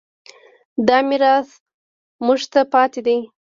دا میراث موږ ته پاتې دی.